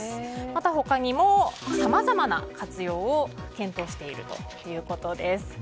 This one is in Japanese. また他にもさまざまな活用を検討しているということです。